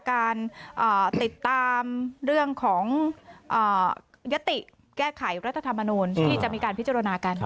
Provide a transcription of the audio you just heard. การติดตามเรื่องของยติแก้ไขรัฐธรรมนูลที่จะมีการพิจารณากัน